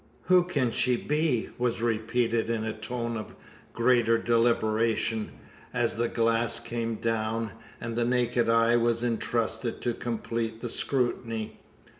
"Who can she be?" was repeated in a tone of greater deliberation, as the glass came down, and the naked eye was entrusted to complete the scrutiny.